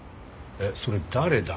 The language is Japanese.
えっそれ誰だ？